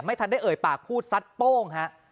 ทันได้เอ่ยปากพูดซัดโป้งฮะ